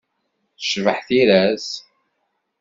Tecbeḥ tira-s.